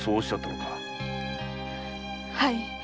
はい。